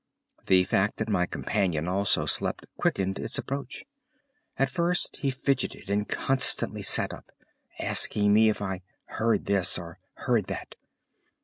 The fact that my companion also slept quickened its approach. At first he fidgeted and constantly sat up, asking me if I "heard this" or "heard that."